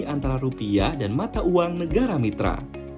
antara rupiah dan mata uang negara mitra